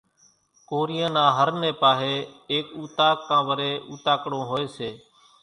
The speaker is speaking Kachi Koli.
ڪورِيان نا هر نيَ پاۿيَ ايڪ اُوطاق ڪان وريَ اُوتاڪڙون هوئيَ سي۔